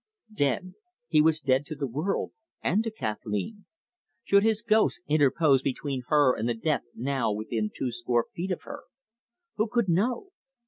Dead he was dead to the world and to Kathleen! Should his ghost interpose between her and the death now within two score feet of her? Who could know?